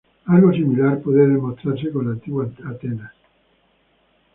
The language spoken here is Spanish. Algo similar puede demostrarse con la antigua Atenas.